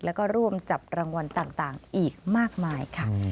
แล้วก็ร่วมจับรางวัลต่างอีกมากมายค่ะ